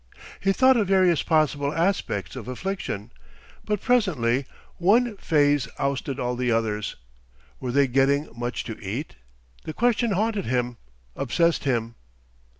He thought of various possible aspects of affliction, but presently one phase ousted all the others. Were they getting much to eat? The question haunted him, obsessed him.